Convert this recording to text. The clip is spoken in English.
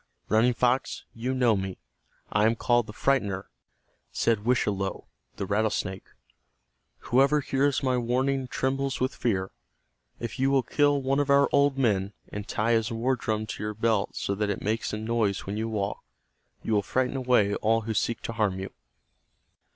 "Running Fox, you know me; I am called 'The Frightener'," said Wischalowe, the rattlesnake. "Whoever hears my warning trembles with fear. If you will kill one of our old men, and tie his war drum to your belt so that it makes a noise when you walk you will frighten away all who seek to harm you."